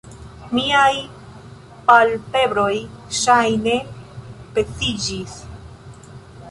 Miaj palpebroj ŝajne peziĝis.